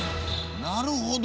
なるほど。